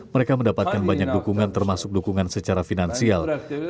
mereka mendapatkan banyak dukungan termasuk dukungan secara finansial